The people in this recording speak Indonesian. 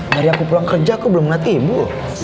dari aku pulang kerja kok belum ngeri ibu